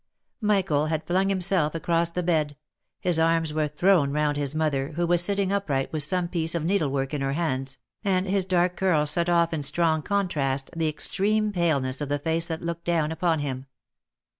Michael had flung himself across the bed ; his arms were thrown round his mother, who was sitting upright with some piece of needlework in her hands, OF MICHAEL ARMSTRONG. 39 and his dark curls set off in strong contrast the extreme paleness of the face that looked down upon him.